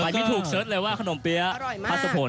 ไม่ถูกเสิร์ชเลยว่าขนมเปี๊ยะพัสสะพน